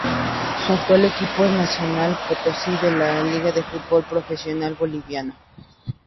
Su actual equipo es Nacional Potosí de la Liga de Fútbol Profesional Boliviano.